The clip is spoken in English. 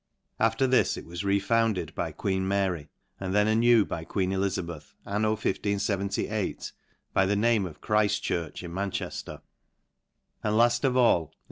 After this, it was refounded by queen Mary ; and then anew by queen Elizabeth, anno 1578, by the name of Chrijfs Church in. Man , rhe/ier ; and laft.ofall it.